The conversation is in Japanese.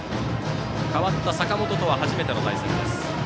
代わった坂本とは初めての対戦。